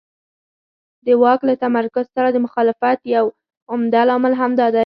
د واک له تمرکز سره د مخالفت یو عمده لامل همدا دی.